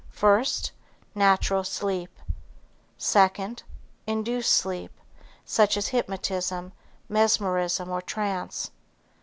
First, natural sleep. Second, induced sleep, such as hypnotism, mesmerism or trance.